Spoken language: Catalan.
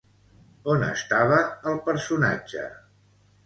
On estava el personatge?